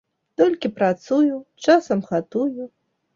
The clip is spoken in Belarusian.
Толькі працую, часам гатую.